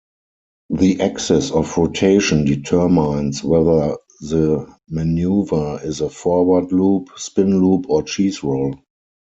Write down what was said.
The axis of rotation determines whether the maneuver is a forward-loop, spin-loop, or cheese-roll.